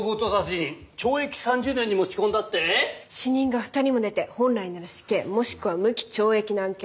死人が２人も出て本来なら死刑もしくは無期懲役の案件。